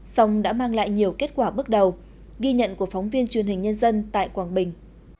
song đã mang lại nhiều kết quả bước đầu ghi nhận của phóng viên truyền hình nhân dân tại quảng bình